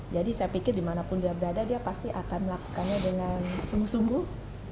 jadi saya pikir dimanapun dia berada dia pasti akan melakukannya dengan sungguh sungguh